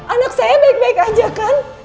anak saya baik baik aja kan